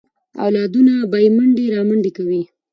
اولادونه به یې منډې رامنډې کوي.